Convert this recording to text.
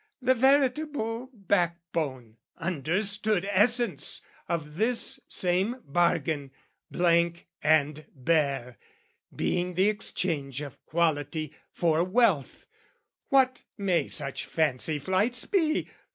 The veritable back bone, understood Essence of this same bargain, blank and bare, Being the exchange of quality for wealth, What may such fancy flights be?